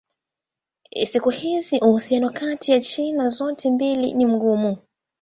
Siku hizi uhusiano kati ya China zote mbili ni mgumu.